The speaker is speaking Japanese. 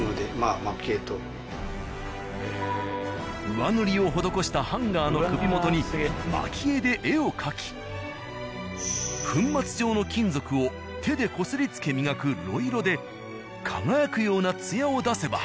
上塗りを施したハンガーの首元に蒔絵で絵を描き粉末状の金属を手でこすりつけ磨く呂色で輝くような艶を出せば。